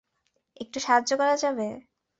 একটু সাহায্য করা যাবে?